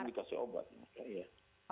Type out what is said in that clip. kan dikasih obat